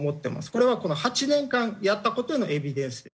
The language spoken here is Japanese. これはこの８年間やった事へのエビデンス。